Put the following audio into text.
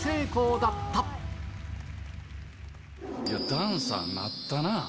いや、ダンサーなったな。